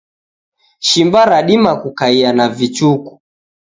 Shimba radima kukaia na vichuku.